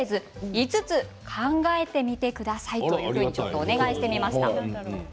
５つ考えてみてくださいとお願いしてみました。